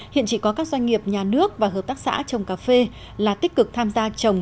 hiện chỉ có các doanh nghiệp nhà nước và hợp tác xã trồng cà phê là tích cực tham gia trồng